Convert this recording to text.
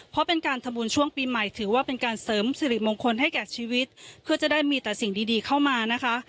เพราะเป็นการทำบุญช่วงปีใหม่ถือว่าเป็นการเสริมสิริมงคลให้แก่ชีวิตเพื่อจะได้มีแต่สิ่งดีเข้ามานะคะ